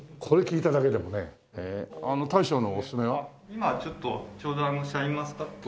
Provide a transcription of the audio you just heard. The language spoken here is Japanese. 今ちょっとちょうどシャインマスカットが。